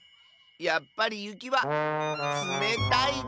やっぱりゆきはつめたいでスノー。